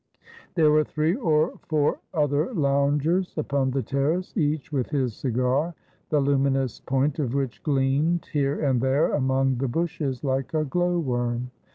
There were three or four other loungers upon the terrace, each with his cigar, the luminous point of which gleamed here and there among the bushes like a glowworm.